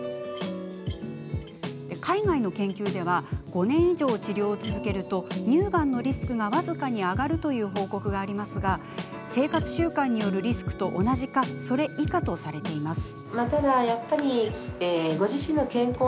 海外の研究では５年以上治療を続けると乳がんのリスクが僅かに上がるという報告がありますが生活習慣によるリスクと同じかそれ以下とされています。